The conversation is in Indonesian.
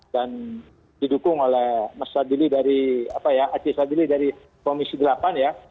dan didukung oleh mas sadili dari komisi delapan